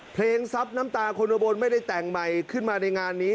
ซับน้ำตาคนอุบลไม่ได้แต่งใหม่ขึ้นมาในงานนี้